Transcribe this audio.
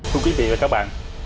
thưa quý vị và các bạn